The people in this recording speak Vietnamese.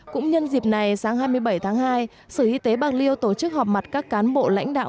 cũng nhân dịp này sáng hai mươi bảy tháng hai sở y tế bạc liêu tổ chức họp mặt các cán bộ lãnh đạo